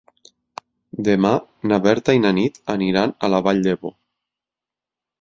Demà na Berta i na Nit aniran a la Vall d'Ebo.